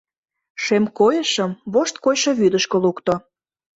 Шем койышым вошт койшо вӱдышкӧ лукто.